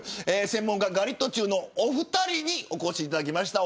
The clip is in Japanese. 専門家ガリットチュウのお二人にお越しいただきました。